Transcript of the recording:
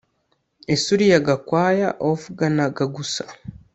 Ese uriya Gakwaya wavuganaga gusa